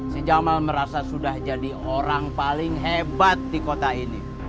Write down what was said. si jamal merasa sudah jadi orang paling hebat di kota ini